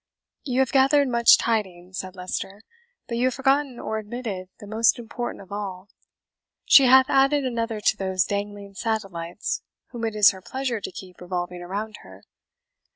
"You have gathered much tidings," said Leicester, "but you have forgotten or omitted the most important of all. She hath added another to those dangling satellites whom it is her pleasure to keep revolving around her."